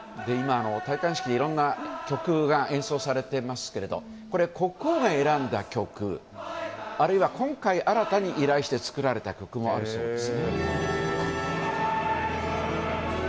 戴冠式、いろんな曲が演奏されていますけれどこれ、国王が選んだ曲あるいは今回新たに依頼して作られた曲もあるそうです。